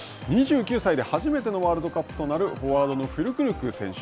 ２９歳で初めてのワールドカップとなる、フォワードのフュルクルク選手。